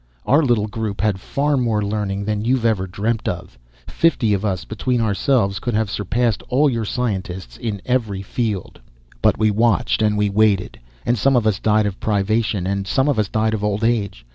Our little group had far more learning than you've ever dreamed of. Fifty of us, between ourselves, could have surpassed all your scientists in every field. "But we watched, and we waited. And some of us died of privation and some of us died of old age.